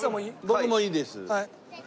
僕もいいです。